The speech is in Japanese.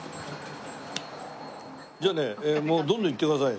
じゃあねもうどんどんいってください。